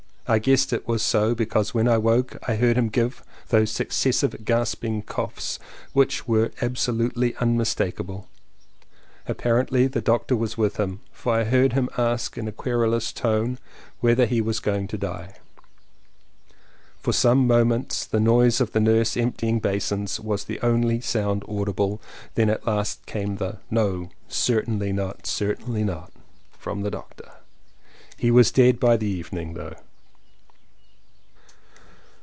I guessed it was so, because when I woke I heard him give those successive gasping coughs which were absolutely unmistakable. Apparently the doctor was with him, for I heard him ask in a querulous tone whether he was going to die. For some moments the noise of the nurse emptying basins was the only sound audible. Then at last came the "No, certainly not, certainly not!" from the doctor. He was dead by the evening though.